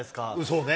そうね。